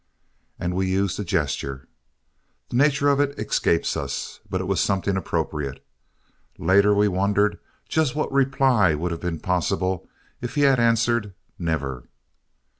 And we used a gesture. The nature of it escapes us, but it was something appropriate. Later we wondered just what reply would have been possible if he had answered, "Never."